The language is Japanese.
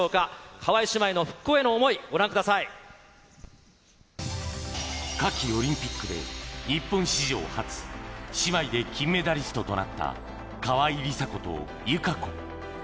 川井姉妹の復興への想い、ご覧く夏季オリンピックで日本史上初、姉妹で金メダリストとなった川井梨紗子と友香子。